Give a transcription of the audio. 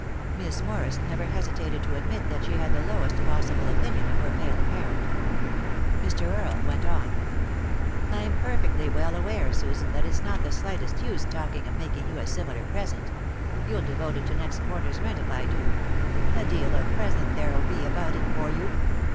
Miss Morris never hesitated to admit that she bad the lowest possible opinion of her male parent. Mr. Earle went on. " I'm perfectly well aware, Susan, that it's not the slightest use talking of making you a similar present; you'll devote it to next quarter's rent if I do — a deal of present there'll be about it for you.